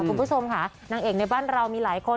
คุณผู้ชมค่ะนางเอกในบ้านเรามีหลายคน